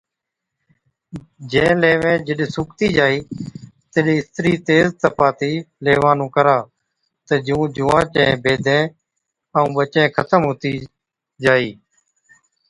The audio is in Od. جين ليوين جِڏ سُوڪتِي جائِي تِڏ اِسترِي تيز تپاتِي ليوان نُون ڪرا تہ جُون جُونئان چين بيدين ائُون ٻچين ختم هُتِي جائِي۔